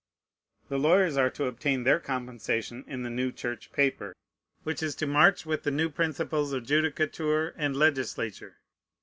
The lawyers are to obtain their compensation in the new Church paper, which is to march with the new principles of judicature and legislature.